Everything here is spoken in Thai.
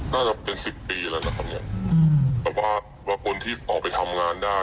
น่าจะเป็นสิบปีแล้วนะครับเนี้ยแต่ว่าแล้วคนที่ออกไปทำงานได้